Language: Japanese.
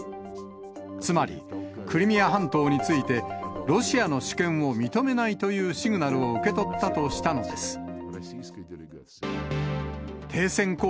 つまり、クリミア半島についてロシアの主権を認めないというシグナルを受け取ったとしたのです。